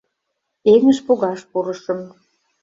Эҥыж погаш пурышым.